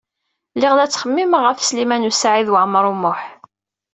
Lliɣ la ttxemmimeɣ ɣef Sliman U Saɛid Waɛmaṛ U Muḥ.